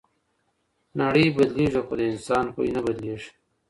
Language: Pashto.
نړۍ بدلیږي خو د انسان خوی نه بدلیږي.